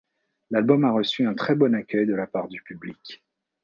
L'album a reçu un très bon accueil de la part du public.